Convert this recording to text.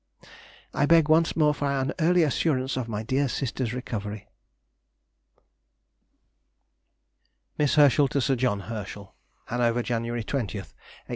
... I beg once more for an early assurance of my dear sister's recovery. MISS HERSCHEL TO SIR JOHN HERSCHEL. HANOVER, Jan. 20, 1832.